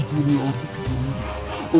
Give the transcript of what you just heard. aku tidak akan mengalah